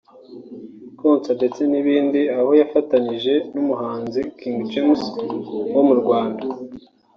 Konsa ndetse n’ izindi aho yafatanyije n’ umuhanzi King James wo mu Rwanda